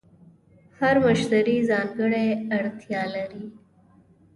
هر مشتری ځانګړې اړتیا لري.